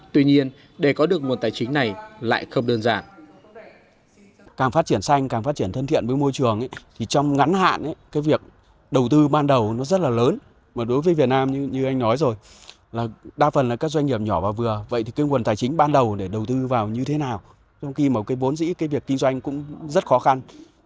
tuy nhiên để có được nguồn tài chính này lại không đơn giản